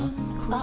あ！